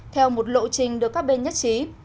theo một lộ trình được các bên nhất trí